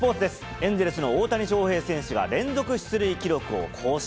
エンゼルスの大谷翔平選手が連続出塁記録を更新。